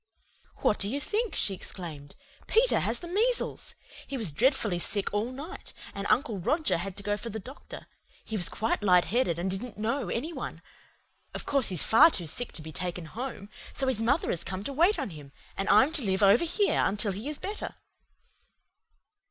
"What do you think?" she exclaimed. "Peter has the measles! He was dreadfully sick all night, and Uncle Roger had to go for the doctor. He was quite light headed, and didn't know any one. Of course he's far too sick to be taken home, so his mother has come up to wait on him, and I'm to live over here until he is better."